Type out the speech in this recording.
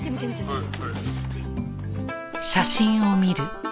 はい。